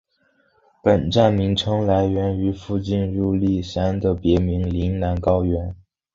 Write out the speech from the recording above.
本站名称来源于附近的入笠山的别名铃兰高原。